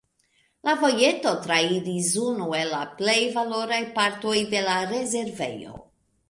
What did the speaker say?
La vojeto trairas unu el la plej valoraj partoj de la rezervejo.